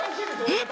えっ！？